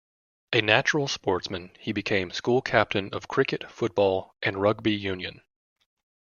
A natural sportsman, he became School Captain of cricket, football and rugby union.